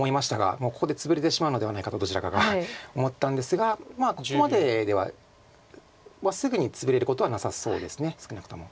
ここでツブれてしまうのではないかとどちらかが思ったんですがまあここまでではすぐにツブれることはなさそうです少なくとも。